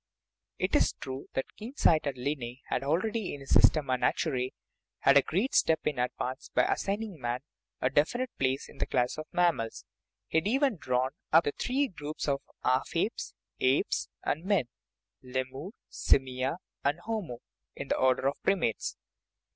It is true that the keen sighted Linne had already, in his Systema Naturae, made a great step in advance by assigning man a defi nite place in the class of mammals ; he had even drawn up the three groups of half apes, apes, and men (Lemur, simia, and homo) in the order of primates.